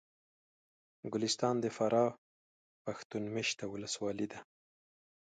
ګلستان د فراه پښتون مېشته ولسوالي ده